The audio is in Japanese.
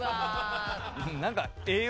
何かええ